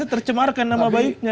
masih tercemarkan nama baiknya